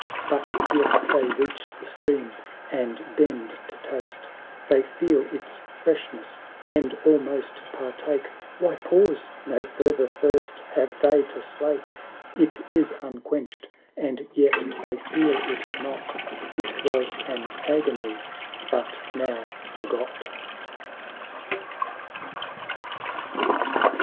But yet they reach the stream, and bend to taste: They feel its freshness, and almost par take — Why pause? No further thirst have they to slake — It is unquenched, and yet they feel it not; It was an agony — but now forgot